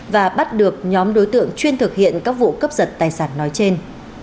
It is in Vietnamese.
và bắt được nhóm đối tượng chuyên thực hiện các vụ cướp giật tài sản nói trên